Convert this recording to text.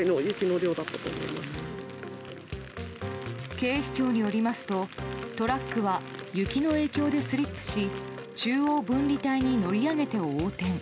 警視庁によりますとトラックは雪の影響でスリップし中央分離帯に乗り上げて横転。